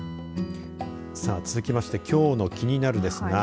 続きまして、きょうのキニナル！です。